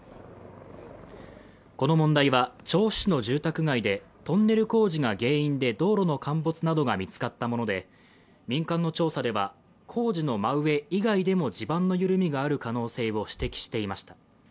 この問題は調布市の住宅街でトンネル工事が原因で道路の陥没などが見つかったもので民間の調査では工事の真上以外でも地盤の緩みがある可能性を指摘していました。